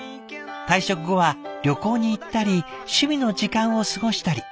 退職後は旅行に行ったり趣味の時間を過ごしたり。